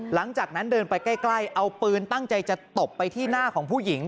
หลังจากนั้นเดินไปใกล้เอาปืนตั้งใจจะตบไปที่หน้าของผู้หญิง